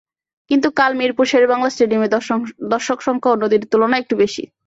কিন্তু কাল মিরপুর শেরেবাংলা স্টেডিয়ামে দর্শকসংখ্যা অন্য দিনের তুলনায় একটু বেশি।